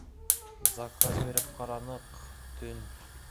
Заказ биреп ҡараныҡ - төн.